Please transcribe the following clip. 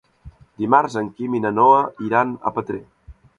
Dimarts en Guim i na Noa iran a Petrer.